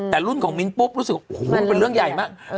แต่รุ่นของมิ้นปุ๊บรู้สึกเป็นเรื่องใหญ่มาก